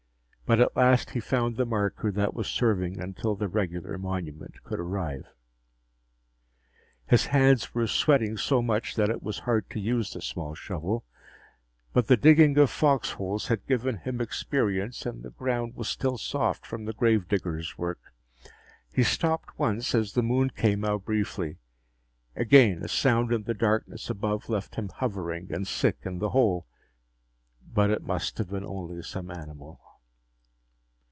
But at last he found the marker that was serving until the regular monument could arrive. His hands were sweating so much that it was hard to use the small shovel, but the digging of foxholes had given him experience and the ground was still soft from the gravediggers' work. He stopped once, as the Moon came out briefly. Again, a sound in the darkness above left him hovering and sick in the hole. But it must have been only some animal.